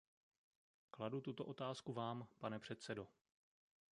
Kladu tuto otázku vám, pane předsedo.